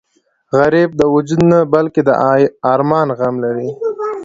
غریب د وجود نه بلکې د ارمان غم لري